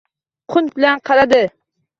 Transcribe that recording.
Qunt bilan qaradi.